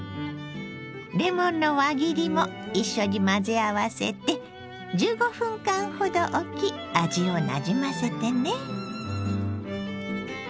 レモンの輪切りも一緒に混ぜ合わせて１５分間ほどおき味をなじませてね。